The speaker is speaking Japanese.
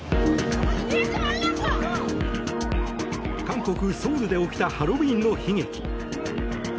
韓国ソウルで起きたハロウィーンの悲劇。